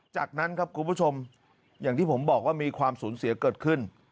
จากนั้นครับคุณผู้ชมอย่างที่ผมบอกว่ามีความสูญเสียเกิดขึ้น